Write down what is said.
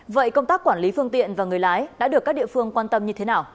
vậy công tác quản lý phương tiện và người lái đã được các địa phương quan tâm như thế nào